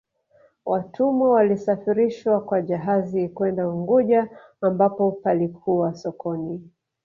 watumwa walisafirishwa kwa jahazi kwenda unguja ambapo palikuwa sokoni